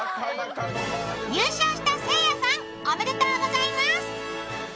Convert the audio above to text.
優勝したせいやさん、おめでとうございます。